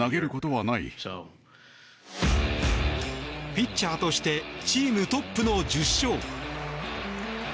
ピッチャーとしてチームトップの１０勝。